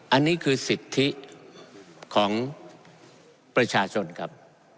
อันนี้คือสิทธิของประชาชนครับ